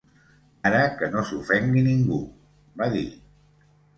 Ara que no s'ofengui ningú, va dir